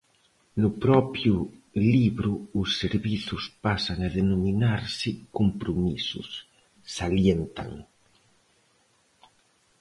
No propio libro os servizos pasan a denominarse "compromisos", salientan.